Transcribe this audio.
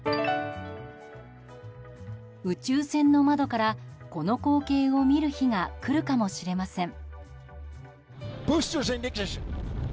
宇宙船の窓から、この光景を見る日が来るかもしれません。